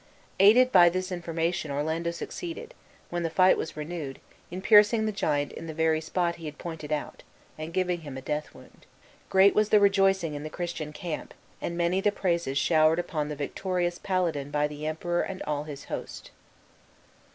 Aided by this information Orlando succeeded, when the fight was renewed, in piercing the giant in the very spot he had pointed out, and giving him a death wound. Great was the rejoicing in the Christian camp, and many the praises showered upon the victorious paladin by the Emperor and all his host.